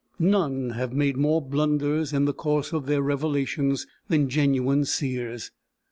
None have made more blunders in the course of their revelations than genuine seers.